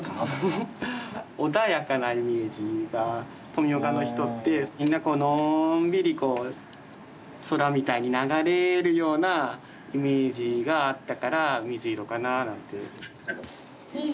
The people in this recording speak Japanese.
穏やかなイメージが富岡の人ってみんなこうのんびりこう空みたいに流れるようなイメージがあったから水色かななんて。